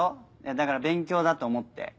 だから勉強だと思って。